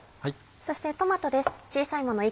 そしてトマトです。